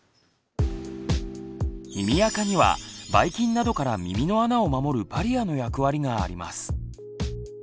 耳あかにはばい菌などから耳の穴を守るバリアの役割があります。